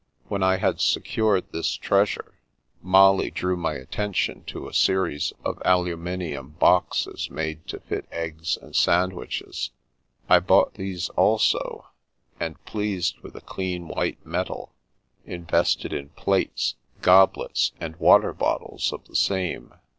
When I had secured this treasure, Molly drew my attention to a series of aluminium boxes made to fit eggs and sandwiches. I bought these also, and, pleased with the clean white metal, in vested in plates, goblets, and water bottles of the same.